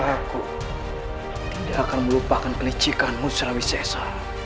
aku tidak akan melupakan penicikanmu selawis sesar